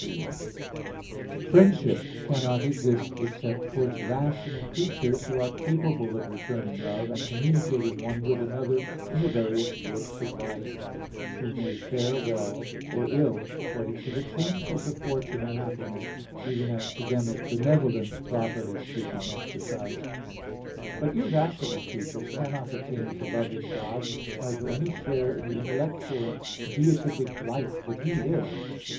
3: Friendship cannot exist except towards rational creatures, who are capable of returning love, and communicating one with another in the various works of life, and who may fare well or ill, according to the changes of fortune and happiness; even as to them is benevolence properly speaking exercised. But irrational creatures cannot attain to loving God, nor to any share in the intellectual and beatific life that He lives.